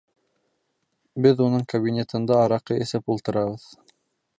Беҙ уның кабинетында араҡы эсеп ултырабыҙ!